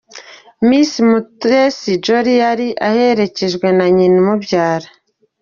Miss Mutesi Jolly, yari aherekejwe na nyina umubyara.